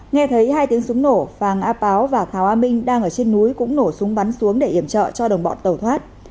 nghe thấy hai tiếng súng nổ phàng á páo và thảo a minh đang ở trên núi cũng nổ súng bắn xuống để iểm trợ cho đồng bọn tàu thoát